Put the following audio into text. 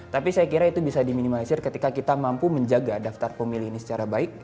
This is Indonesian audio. tapi saya kira itu bisa diminimalisir ketika kita mampu menjaga daftar pemilih ini secara baik